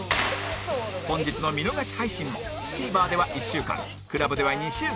本日の見逃し配信も ＴＶｅｒ では１週間 ＣＬＵＢ では２週間